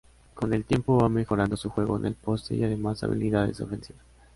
Con el tiempo va mejorando su juego en el poste y demás habilidades ofensivas.